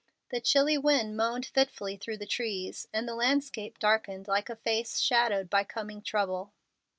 The chilly wind moaned fitfully through the trees, and the landscape darkened like a face shadowed by coming trouble.